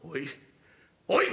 「おい。